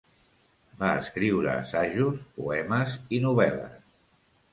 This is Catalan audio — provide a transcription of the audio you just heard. Va escriure assajos, poemes i novel·les.